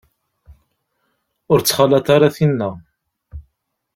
Ur ttxalaḍ ara tinna.